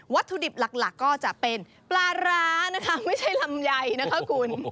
ถุดิบหลักก็จะเป็นปลาร้านะคะไม่ใช่ลำไยนะคะคุณ